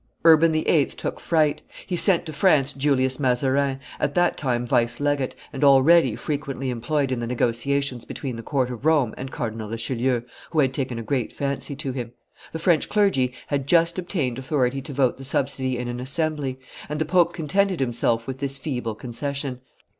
Urban VIII. took fright; he sent to France Julius Mazarin, at that time vice legate, and already frequently employed in the negotiations between the court of Rome and Cardinal Richelieu, who had taken a great fancy to him. The French clergy had just obtained authority to vote the subsidy in an assembly; and the pope contented himself with this feeble concession.